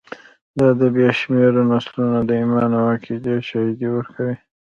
دا د بې شمېره نسلونو د ایمان او عقیدې شاهدي ورکوي.